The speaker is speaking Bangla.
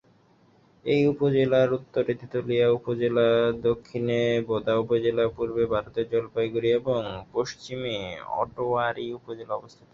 এই উপজেলার উত্তরে তেঁতুলিয়া উপজেলা, দক্ষিণে বোদা উপজেলা, পূর্বে ভারতের জলপাইগুড়ি এবং পশ্চিমে আটোয়ারী উপজেলা অবস্থিত।